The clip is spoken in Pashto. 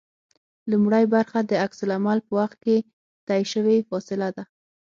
لومړۍ برخه د عکس العمل په وخت کې طی شوې فاصله ده